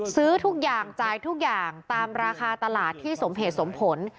ซื้อทุกอย่างจ่ายทุกอย่างตามราคาตลาดที่สมเหตุสมผล